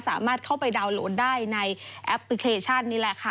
สามารถเข้าไปดาวนโหลดได้ในแอปพลิเคชันนี่แหละค่ะ